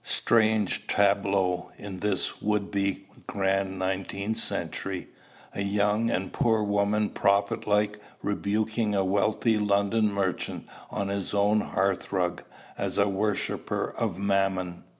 Strange tableau, in this our would be grand nineteenth century, a young and poor woman prophet like rebuking a wealthy London merchant on his own hearth rug, as a worshipper of Mammon!